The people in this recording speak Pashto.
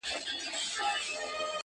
نن به څه خورې سړه ورځ پر تېرېدو ده!